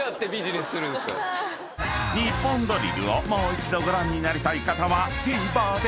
［『ニッポンドリル』をもう一度ご覧になりたい方はＴＶｅｒで］